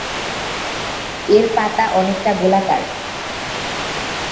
এর পাতা অনেকটা গোলাকার।